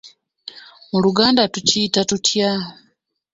Mu Luganda tukiyita tutya?